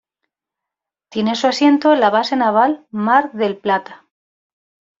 Tiene su asiento en la Base Naval Mar del Plata.